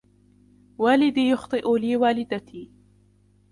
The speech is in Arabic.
والدي يخطئ لي والدتي